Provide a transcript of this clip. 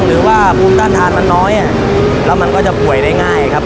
หรือว่าภูมิต้านทานมันน้อยแล้วมันก็จะป่วยได้ง่ายครับ